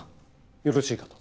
よろしいかと。